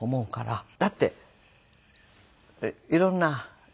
だっていろんな。